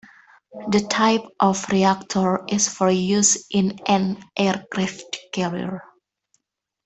The type of reactor is for use in an aircraft carrier.